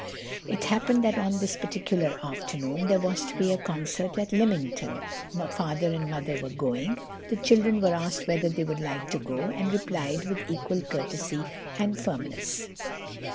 It happened that on this particular afternoon there was to be a concert at Lymington—Father and Mother were going. The children were asked whether they would like to go, and replied with equal courtesy and firmness.